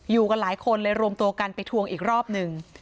กันหลายคนเลยรวมตัวกันไปทวงอีกรอบหนึ่ง